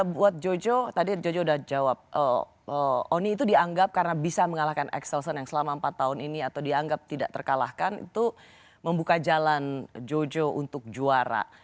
buat jojo tadi jojo udah jawab oni itu dianggap karena bisa mengalahkan axelsen yang selama empat tahun ini atau dianggap tidak terkalahkan itu membuka jalan jojo untuk juara